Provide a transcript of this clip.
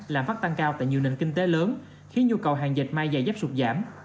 lạm phát tăng cao tại nhiều nền kinh tế lớn khiến nhu cầu hàng dệt may dày dép sụt giảm